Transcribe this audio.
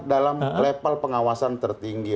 dalam level pengawasan tertinggi